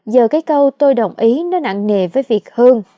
giờ cái câu tôi đồng ý nó nặng nề với việc hương